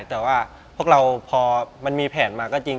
แต่ว่าพวกเราพอมันมีแผนมาก็จริง